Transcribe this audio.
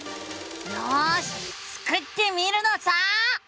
よしスクってみるのさ！